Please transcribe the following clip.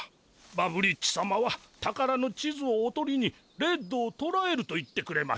バブリッチ様は宝の地図をおとりにレッドをとらえると言ってくれました。